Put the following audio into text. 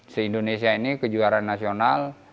se indonesia ini kejuaraan nasional